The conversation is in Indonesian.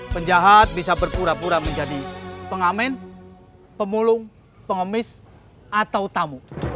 penjahat bisa berpura pura menjadi pengamen pemulung pengemis atau tamu